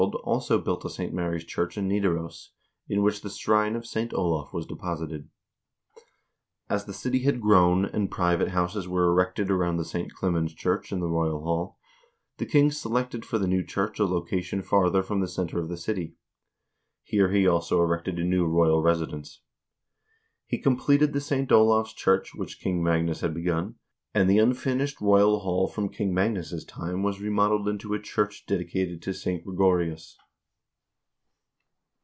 King Harald also built a St. Mary's church in Nidaros, in which the shrine of St. Olav was deposited. As the city had grown, and private houses were erected around the St. Clemens church and the royal hall, the king selected for the new church a location farther from the center of the city. Here he also erected a new royal residence. He completed the St. Olav's church which King Magnus had begun, and the unfinished royal hall from King Magnus' time was remodeled into a church dedicated to St. Gregorius.